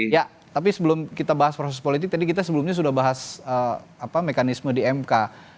ya tapi sebelum kita bahas proses politik tadi kita sebelumnya sudah bahas mekanisme di mk